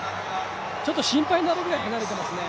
ちょっと心配になるぐらい離れていますね。